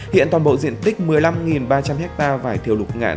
hiện toàn bộ diện tích một mươi năm ba trăm linh hectare vải thiều lục ngạn